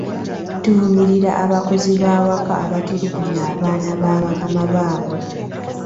Tuvumirira abakozi b’awaka abatulugunya abaana ba bakama baabwe.